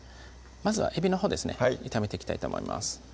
まずはえびのほうですね炒めていきたいと思います